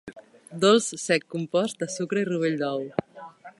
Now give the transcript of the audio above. Dolç sec compost de sucre i rovell d'ou.